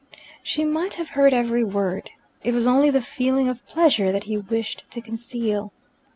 She might have heard every word. It was only the feeling of pleasure that he wished to conceal.